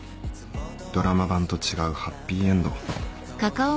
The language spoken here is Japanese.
ドラマ版と違うハッピーエンド。